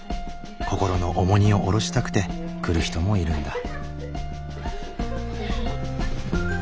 心の重荷を下ろしたくて来る人もいるんだ。